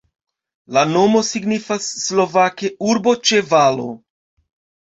La nomo signifas slovake urbo ĉe valo.